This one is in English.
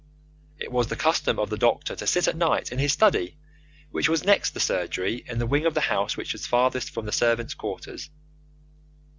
It was the custom of the doctor to sit at night in his study, which was next the surgery in the wing of the house which was farthest from the servants' quarters.